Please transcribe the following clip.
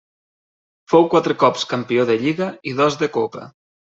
Fou quatre cops campió de lliga i dos de copa.